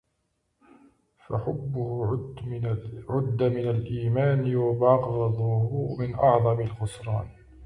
فحبه عُدَّ من الإيمان وبُغْضُه من أعظمِ الخسرانِ